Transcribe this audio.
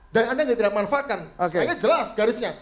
dan anda tidak mengunfalkan jadi jelas garisnya